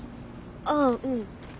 ああうん。